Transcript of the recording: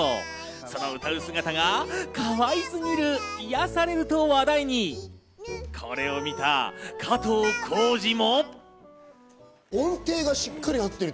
その歌う姿がかわいすぎる、癒されると話題に。これを見た加藤浩次も。